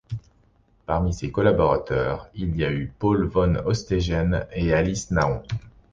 Parmi ses collaborateurs, il y eut Paul van Ostaijen et Alice Nahon.